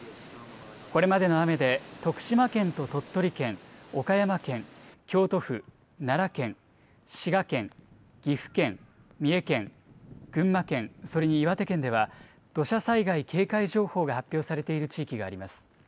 これまでの雨で徳島県と鳥取県、岡山県、京都府、奈良県、滋賀県、岐阜県、三重県、群馬県、それに岩手県では、土砂災害警戒情報が発表されている地域があります。